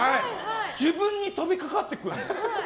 自分に飛びかかってくるの。